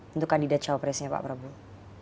untuk kandidat cawapresnya pak prabowo